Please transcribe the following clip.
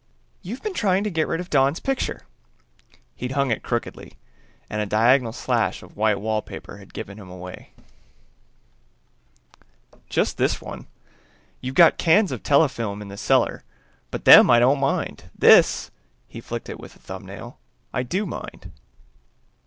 "You've been trying to get rid of Don's picture!" He'd hung it crookedly, and a diagonal slash of white wallpaper had given him away. "Just this one. You've got cans of telefilm in the cellar, but them I don't mind. This," he flicked it with a thumbnail, "I do mind."